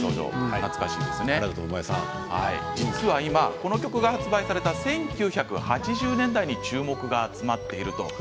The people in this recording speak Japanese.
この曲が発売された１９８０年代に注目が集まっているんです。